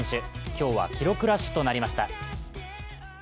今日は記録ラッシュとなりました。